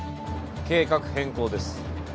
計画変更です。